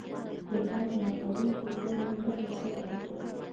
د باد ماتوونکو ونو ګټه څه ده؟